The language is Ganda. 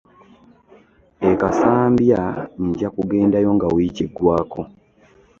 E Kasambya nja kugendayo nga wiiki eggwaako.